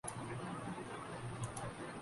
اس سے ہم کیا نتیجہ اخذ کر سکتے ہیں۔